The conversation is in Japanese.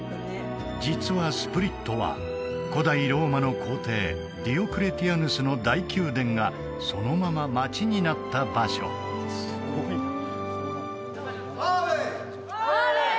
実はスプリットは古代ローマの皇帝ディオクレティアヌスの大宮殿がそのまま街になった場所・アーレイ！